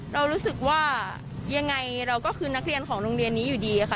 เรารู้สึกว่ายังไงเราก็คือนักเรียนของโรงเรียนนี้อยู่ดีค่ะ